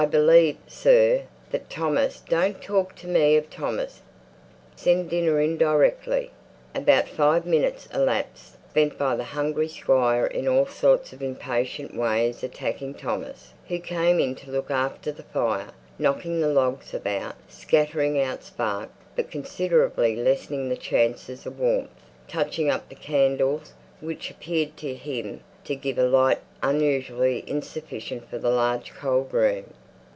"I believe, sir, that Thomas " "Don't talk to me of Thomas. Send dinner in directly." About five minutes elapsed, spent by the hungry Squire in all sorts of impatient ways attacking Thomas, who came in to look after the fire; knocking the logs about, scattering out sparks, but considerably lessening the chances of warmth; touching up the candles, which appeared to him to give a light unusually insufficient for the large cold room.